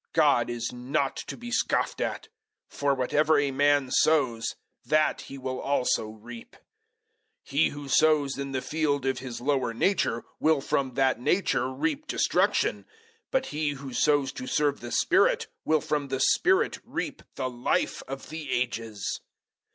God is not to be scoffed at. For whatever a man sows, that he will also reap. 006:008 He who sows in the field of his lower nature, will from that nature reap destruction; but he who sows to serve the Spirit will from the Spirit reap the Life of the Ages.